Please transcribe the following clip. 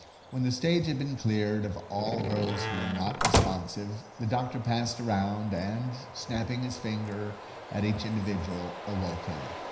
When the stage had been cleared of all those who were not responsive, the doctor passed around, and, snapping his finger at each individual, awoke him.